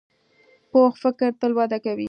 پوخ فکر تل وده کوي